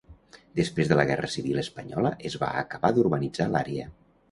Després de la Guerra Civil espanyola es va acabar d'urbanitzar l'àrea.